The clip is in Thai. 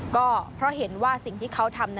ก็เพราะเห็นว่าสิ่งที่เขาทำ